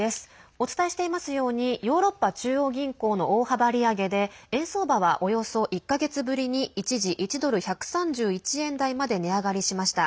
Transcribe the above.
お伝えしていますようにヨーロッパ中央銀行の大幅利上げで円相場は、およそ１か月ぶりに一時、１ドル＝１３１円台まで値上がりしました。